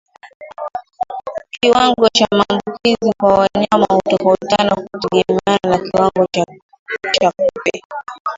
Kiwango cha maambukizi kwa wanyama hutofautiana kutegemeana na kiwango cha kupe